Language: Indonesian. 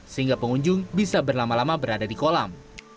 sehingga pengunjung bisa berlama lama berada di kolam